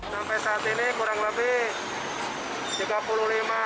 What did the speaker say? sampai saat ini kurang lebih